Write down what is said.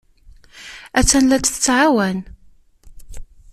Attan la t-tettɛawan.